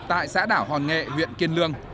tại xã đảo hòn nghệ huyện kiên lương